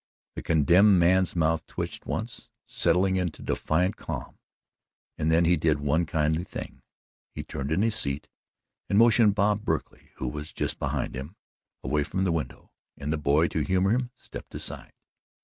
The condemned man's mouth twitched once, settled into defiant calm, and then he did one kindly thing. He turned in his seat and motioned Bob Berkley, who was just behind him, away from the window, and the boy, to humour him, stepped aside.